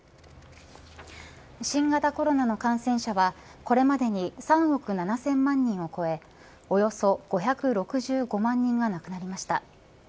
新型コロナの感染者はこれまでに３億７０００万人を超えおよそ５６５万人が亡くなりました。